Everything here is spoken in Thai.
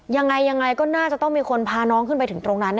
ยังไงยังไงก็น่าจะต้องมีคนพาน้องขึ้นไปถึงตรงนั้น